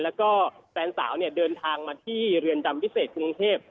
แล้วก็แฟนสาวเนี่ยเดินทางมาที่เรือนจำพิเศษกรุงเทพ